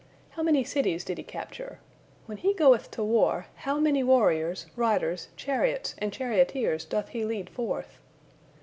How many cities did He capture? When He goeth to war, how many warriors, riders, chariots, and charioteers doth He lead forth?"